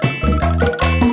kalau gak wah begini